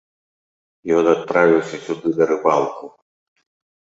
Ён адправіўся сюды на рыбалку.